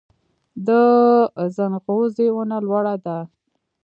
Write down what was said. د ځنغوزي ونه لوړه ده